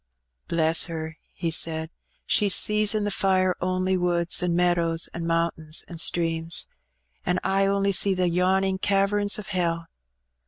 "Bless her!" he said. "She sees in the fire only woods, an' meadows, an' mount^/ins, an' streams; an' I only see the yawning caverns o' hell.